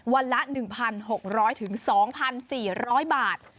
วันละ๑๖๐๐๒๔๐๐บาท